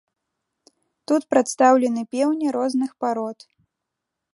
Тут прадстаўлены пеўні розных парод.